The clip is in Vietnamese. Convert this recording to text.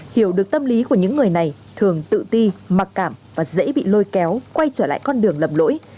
hiểu được tâm lý của những người này thường tự ti mặc cảm và dễ bị lôi kéo quay trở lại con đường lầm lỗi